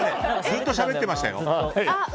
ずっとしゃべってましたよ。